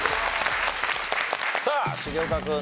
さあ重岡君。